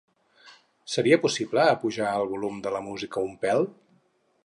Seria possible apujar el volum de la música un pèl?